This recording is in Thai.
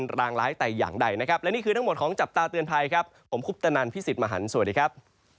รางร้ายแต่อย่างใดนะครับและนี่คือทั้งหมดของจับตาเตือนภัยครับผมคุปตนันพี่สิทธิ์มหันฯสวัสดีครับ